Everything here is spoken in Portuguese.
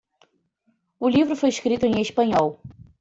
O livro foi escrito em espanhol.